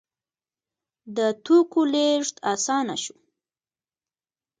د توکو لیږد اسانه شو.